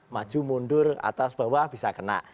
maju mundur atas bawah bisa kena